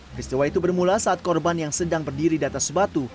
peristiwa itu bermula saat korban yang sedang berdiri di atas sebatu